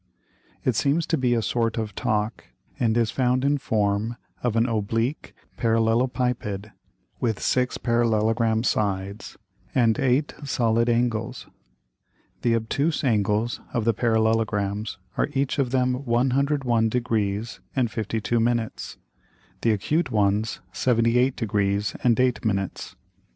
It seems to be a sort of Talk, and is found in form of an oblique Parallelopiped, with six parallelogram Sides and eight solid Angles. The obtuse Angles of the Parallelograms are each of them 101 Degrees and 52 Minutes; the acute ones 78 Degrees and 8 Minutes.